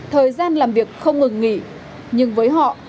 thời gian làm việc không ngừng nghỉ nhưng với họ